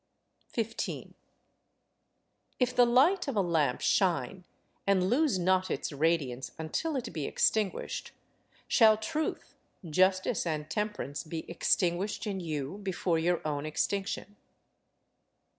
15. If the light of a lamp shine and lose not its radiance until it be extinguished, shall truth, justice, and temperance be extinguished in you before your own extinction.